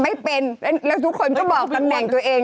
ไม่เป็นแล้วทุกคนก็บอกตำแหน่งตัวเอง